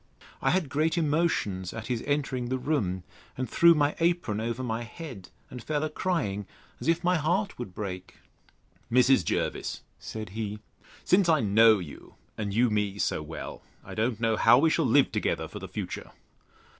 I had great emotions at his entering the room, and threw my apron over my head, and fell a crying, as if my heart would break. Mrs. Jervis, said he, since I know you, and you me so well, I don't know how we shall live together for the future.